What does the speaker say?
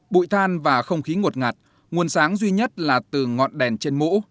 bụi than và không khí ngột ngạt nguồn sáng duy nhất là từ ngọn đèn trên mũ